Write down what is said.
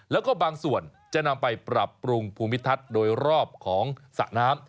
แล้วก็บางส่วนจะนำไปปรับปรุงภูมิทัศน์โดยรอบของสระน้ำ